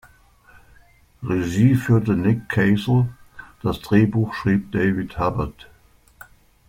Regie führte Nick Castle, das Drehbuch schrieb David Hubbard.